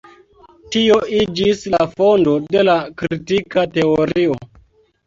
Tio iĝis la fondo de la kritika teorio.